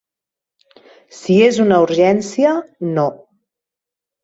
Si és una urgència, no.